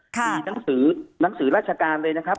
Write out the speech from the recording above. มีหนังสือหนังสือราชการเลยนะครับ